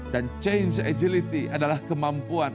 dan change agility adalah kemampuan